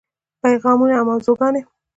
پیغامونه او موضوعګانې: